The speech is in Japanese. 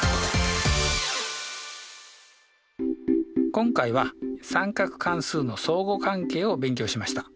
今回は三角関数の相互関係を勉強しました。